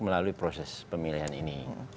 melalui proses pemilihan ini